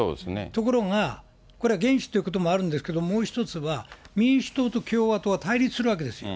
ところが、これは元首ということもあるんですけど、もう１つは、民主党と共和党は対立するわけですよ。